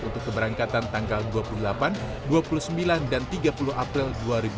untuk keberangkatan tanggal dua puluh delapan dua puluh sembilan dan tiga puluh april dua ribu dua puluh